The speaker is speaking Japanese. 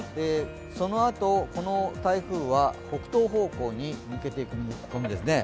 そのあと、この台風は北東方向に向けていく見込みですね。